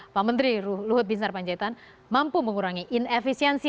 pak menteri luhut binsar panjaitan mampu mengurangi inefisiensi